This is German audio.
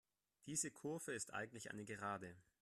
Diese Kurve ist eigentlich eine Gerade.